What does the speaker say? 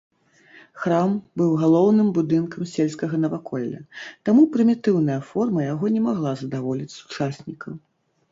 Храм быў галоўным будынкам сельскага наваколля, таму прымітыўная форма яго не магла задаволіць сучаснікаў.